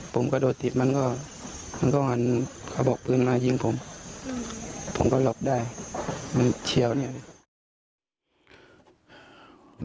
ผมกระโดดติดมันก็มันก็หันเขาบอกปืนมายิงผมผมก็หลบได้มันเฉียวเนี่ย